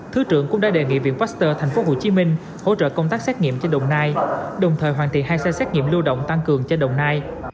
thứ trưởng cũng đã đề nghị viện pasteur tp hcm hỗ trợ công tác xét nghiệm cho đồng nai đồng thời hoàn thiện hai xe xét nghiệm lưu động tăng cường cho đồng nai